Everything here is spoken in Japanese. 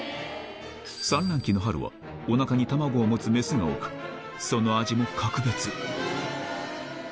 産卵期の春はおなかに卵を持つ雌が多く、その味は格別。